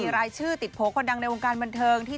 รายชื่อติดโพลคนดังในวงการบันเทิงที่